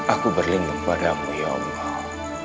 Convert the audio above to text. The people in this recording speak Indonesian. aku berlindung padamu ya allah